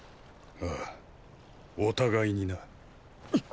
ああお互いにな。っ！